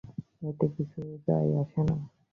এতে কিছু যায় আসে না।